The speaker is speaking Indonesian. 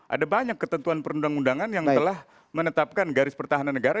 ada banyak ketentuan perundang undangan yang telah menetapkan garis pertahanan negara